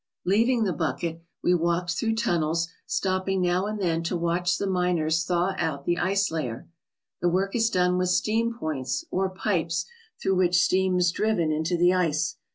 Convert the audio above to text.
Leaving the bucket, we walked through tunnels, stopping now and then to watch the miners thaw out the ice layer. The work is done with steam points or pipes through which steam is driven into the ice.